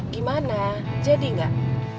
gimana jadi gak